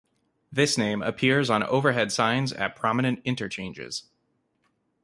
This name appears on overhead signs at prominent interchanges.